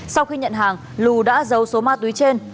sau khi nhận hàng lù đã giấu số ma túy trên